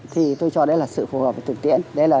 thì tôi chọn đây là